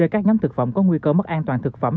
nơi các nhóm thực phẩm có nguy cơ mất an toàn thực phẩm